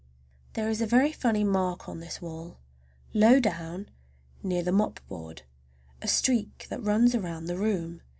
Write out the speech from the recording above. There is a very funny mark on this wall, low down, near the mopboard. A streak that runs round the room.